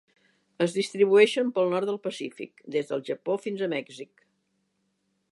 Es distribueixen pel nord del Pacífic, des del Japó fins a Mèxic.